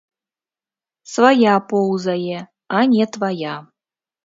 Свая поўзае, а не твая.